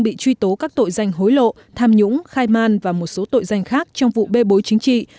bị truy tố các tội danh hối lộ tham nhũng khai man và một số tội danh khác trong vụ bê bối chính trị